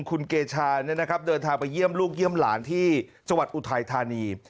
คุณเกชาเดินทางไปเยี่ยมลูกเยี่ยมหลานที่จังหวัดอุทัยธานี